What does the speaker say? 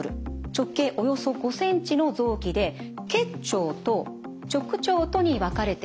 直径およそ５ｃｍの臓器で結腸と直腸とに分かれています。